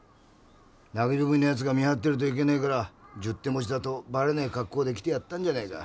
投げ文の奴が見張ってるといけねえから十手持ちだとバレない格好で来てやったんじゃないか。